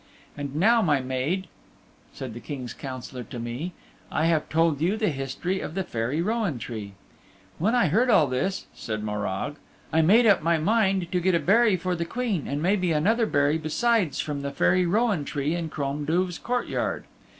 And now, my maid, said the King's Councillor to me, I have told you the history of the Fairy Rowan Tree. When I heard all this (said Morag), I made up my mind to get a berry for the Queen and maybe another berry besides from the Fairy Rowan Tree in Crom Duv's courtyard.